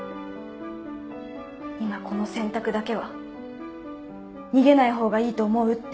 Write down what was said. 今この選択だけは逃げない方がいいと思うって。